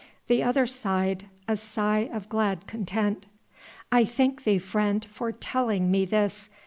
The other sighed, a sigh of glad content. "I thank thee, friend, for telling me this.